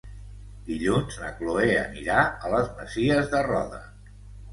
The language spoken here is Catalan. Dilluns na Chloé anirà a les Masies de Roda.